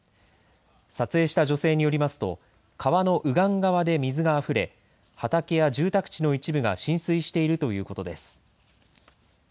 撮影した女性によりますと川の右岸側で水があふれ畑や住宅地の一部が浸水しているということです。